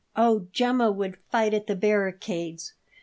Oh, Gemma would fight at the barricades.